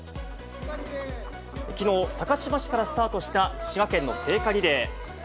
きのう、高島市からスタートした滋賀県の聖火リレー。